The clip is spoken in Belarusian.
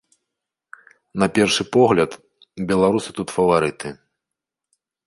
На першы погляд, беларусы тут фаварыты.